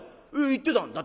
行ってたんだ」。